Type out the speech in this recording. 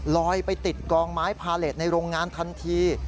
ลอยไปติดกองไม้พาเลสในโรงงานทันที